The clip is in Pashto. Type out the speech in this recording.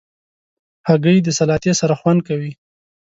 هګۍ د سلاتې سره خوند کوي.